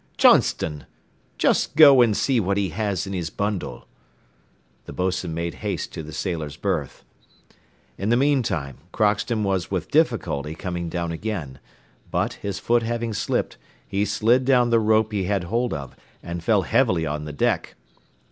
Johnston, just go and see what he has in his bundle." The boatswain made haste to the sailor's berth. In the meantime Crockston was with difficulty coming down again, but, his foot having slipped, he slid down the rope he had hold of, and fell heavily on the deck.